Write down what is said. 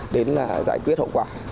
đến là giải quyết hậu quả